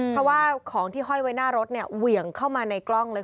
เพราะว่าของที่ห้อยไว้หน้ารถเนี่ยเหวี่ยงเข้ามาในกล้องเลย